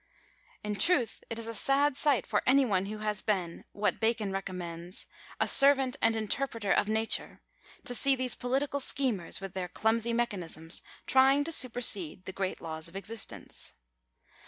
In truth it is a sad sight for any one who has been, Bacon recommends —" a servant and interpreter of nature,' see these political schemers, with their clumsy mechanisms, trying to supersede the great laws of existence.